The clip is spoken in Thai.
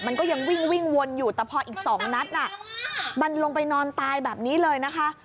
มันก็ยังวิ่งวิ่งวนอยู่แต่พออีก๒นัดน่ะมันลงไปนอนตายแบบนี้เลยนะคะ